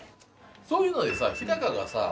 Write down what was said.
そういうのでさ日がさあ